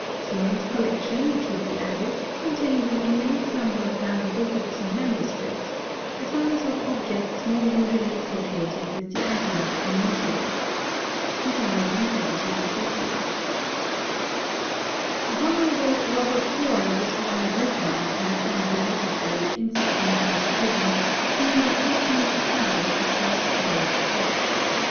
Sloane's collection, it should be added, contained an immense number of valuable books and manuscripts, as well as of objects more usually associated with the idea of a museum. He died in 1753. The Hon. Robert Boyle was born at Lismore, in the county Waterford, in 1627, being the fourteenth child of the first Earl of Cork.